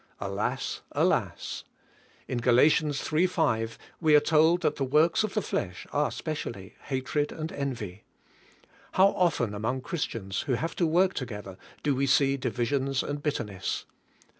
Alas! Alas! In Gal. 3: 5 we are told that the works of the flesh are specially hatred and envy. How often among Christians, who have to work together, do we see divisions and bitterness!